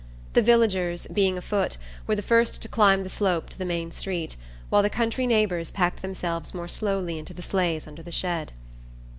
The villagers, being afoot, were the first to climb the slope to the main street, while the country neighbours packed themselves more slowly into the sleighs under the shed.